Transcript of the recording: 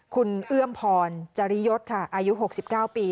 คุณเอื้อมพรจริยศค่ะอายุ๖๙ปี